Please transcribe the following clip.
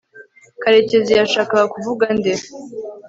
karekezi yashakaga kuvuga nde